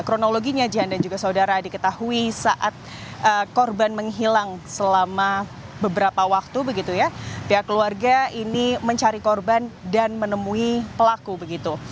kronologinya jan dan juga saudara diketahui saat korban menghilang selama beberapa waktu begitu ya pihak keluarga ini mencari korban dan menemui pelaku begitu